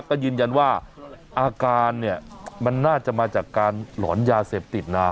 ก็ยืนยันว่าอาการเนี่ยมันน่าจะมาจากการหลอนยาเสพติดนะ